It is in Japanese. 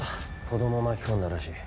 子ども巻き込んだらしい。